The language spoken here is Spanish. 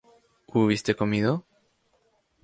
¿hubiste comido?